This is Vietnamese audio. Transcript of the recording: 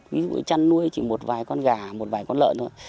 ví dụ chăn nuôi chỉ một vài con gà một vài con lợn thôi